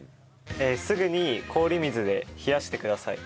すぐに氷水で冷やしてください。